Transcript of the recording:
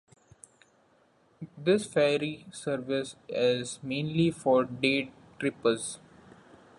This ferry service is mainly for day-trippers.